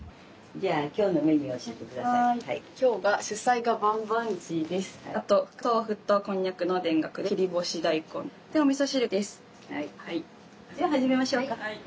じゃあ始めましょうか。